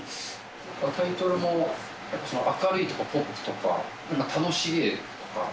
タイトルも明るいとかポップとか、なんか楽しげとか。